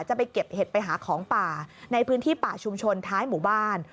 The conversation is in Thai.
จะไปเก็บเห็ดไปหาของป่าในพื้นที่ป่าชุมชนท้ายหมู่บ้าน